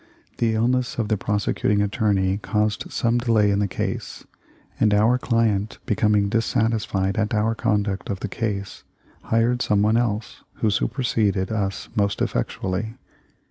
The illness of the prosecuting attorney caused some delay in the case, and our client, becoming dissatisfied at our conduct of the case, hired some one else, who superseded us most effectually.